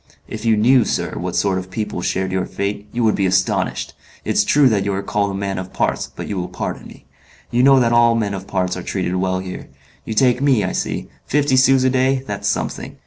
If you knew, sir, what sort of people shared your fate, you would be astonished, It's true that you are called a man of parts; but you will pardon me.... You know that all men of parts are treated well here. You take me, I see. Fifty sous a day, that's something.